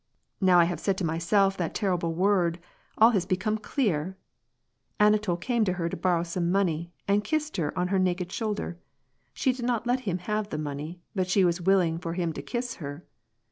Now I have said to myself that terrible word, all has become clear !Anatol came to her to borrow some money, and kissed her on her naked shoulder. She did not let him have the money, but she was willing for him to kiss her.